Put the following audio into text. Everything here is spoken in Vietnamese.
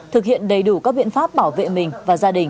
thực hiện đầy đủ các biện pháp bảo vệ mình và gia đình